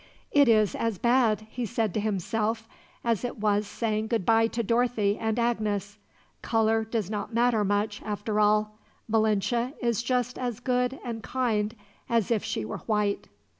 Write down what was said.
"It is as bad," he said to himself, "as it was saying goodbye to Dorothy and Agnes. Color does not matter much, after all. Malinche is just as good and kind as if she were white."